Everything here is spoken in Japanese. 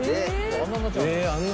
あっあんなになっちゃうんだ。